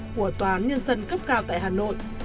của toán nhân dân cấp cao tại hà nội